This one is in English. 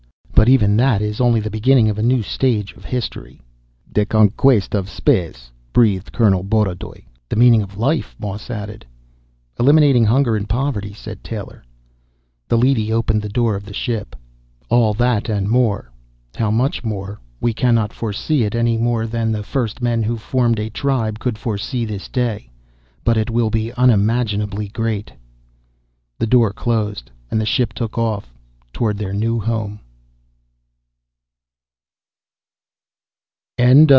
But even that is only the beginning of a new stage of history." "The conquest of space," breathed Colonel Borodoy. "The meaning of life," Moss added. "Eliminating hunger and poverty," said Taylor. The leady opened the door of the ship. "All that and more. How much more? We cannot foresee it any more than the first men who formed a tribe could foresee this day. But it will be unimaginably great." The door closed and the ship took off toward their new home.